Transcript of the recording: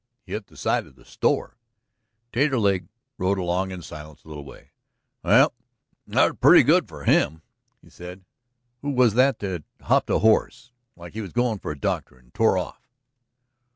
"He hit the side of the store." Taterleg rode along in silence a little way. "Well, that was purty good for him," he said. "Who was that hopped a horse like he was goin' for the doctor, and tore off?"